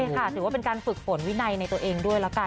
ถือว่าเป็นการฝนวินัยในตัวเองด้วยละกัน